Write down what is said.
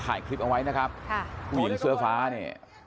ถ่ายคลิปเอาไว้นะครับกุเดี้ยนเสื้อฟ้าเนี้ย